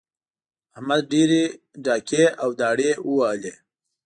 احمد ډېرې ډاکې او داړې ووهلې.